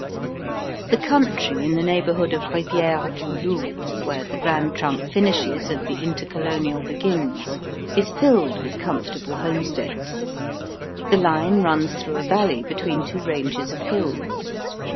The country in the neighbourhood of Riviere du Loup, where the Grand Trunk finishes and the Intercolonial begins, is filled with comfortable homesteads. The line runs through a valley between two ranges of hills.